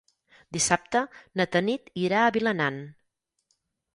Dissabte na Tanit irà a Vilanant.